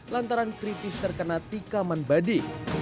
lantaran kritis terkena tikaman badik